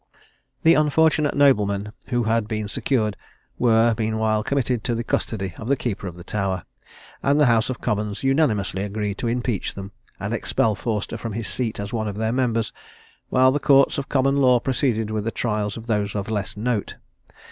The unfortunate noblemen who had been secured were, meanwhile, committed to the custody of the keeper of the Tower; and the House of Commons unanimously agreed to impeach them, and expel Forster from his seat as one of their members; while the courts of common law proceeded with the trials of those of less note.